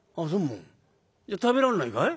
「じゃあ食べらんないかい？」。